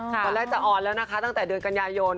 ตอนแรกจะออนแล้วนะคะตั้งแต่เดือนกันยายน